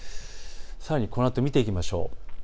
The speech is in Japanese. さらにこのあと見ていきましょう。